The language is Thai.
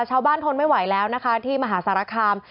ทนไม่ไหวแล้วนะคะที่มหาสารคาม